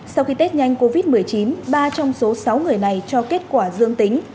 sau khi tết nhanh covid một mươi chín ba trong số sáu người này cho kết quả dương tính